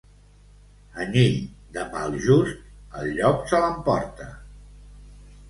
Anyell de mal just, el llop se l'emporta.